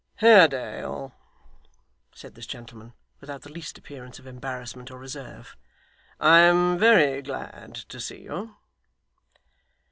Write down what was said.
'Haredale,' said this gentleman, without the least appearance of embarrassment or reserve, 'I am very glad to see you.